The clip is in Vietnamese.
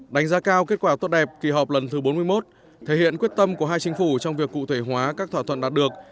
đánh giá cao kết quả tốt đẹp kỳ họp lần thứ bốn mươi một thể hiện quyết tâm của hai chính phủ trong việc cụ thể hóa các thỏa thuận đạt được